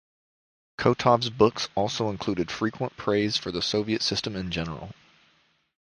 Kotov's books also included frequent praise for the Soviet system in general.